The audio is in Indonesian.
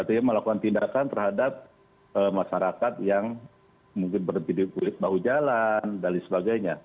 dan juga melakukan tindakan terhadap masyarakat yang mungkin berdiri kulit bahu jalan dan lain sebagainya